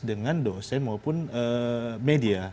dengan dosen maupun media